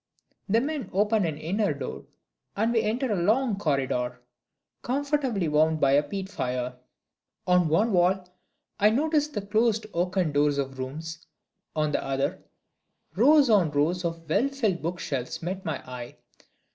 The men open an inner door, and we enter a long corridor, comfortably warmed by a peat fire. On one wall I notice the closed oaken doors of rooms; on the other, rows on rows of well filled book shelves meet my eye.